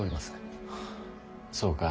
そうか。